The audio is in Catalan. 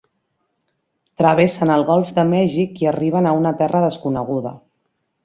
Travessen el golf de Mèxic i arriben a una terra desconeguda.